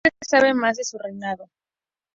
No se sabe más de su reinado.